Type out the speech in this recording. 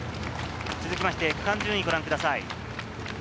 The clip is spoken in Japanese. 続きまして区間順位をご覧ください。